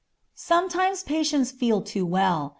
Sometimes patients feel too well.